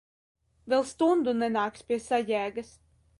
Vēl stundu nenāks pie sajēgas.